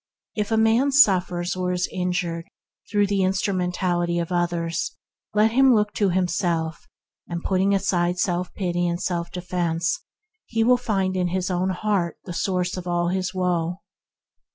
If a man suffers or is injured through the instrumentality of others, let him look to himself; putting aside self pity and self defence, he will find in his own heart the source of all his woe.